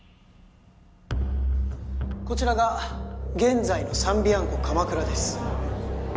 こちらが現在のサンビアンコ鎌倉です